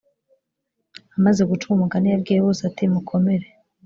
amaze guca uwo mugani yabwiye bose ati mukomere